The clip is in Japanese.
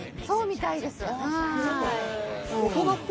そうみたいです。